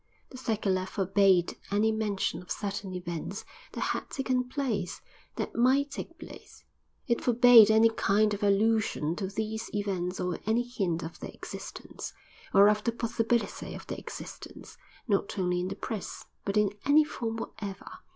The circular forbade any mention of certain events that had taken place, that might take place; it forbade any kind of allusion to these events or any hint of their existence, or of the possibility of their existence, not only in the Press, but in any form whatever.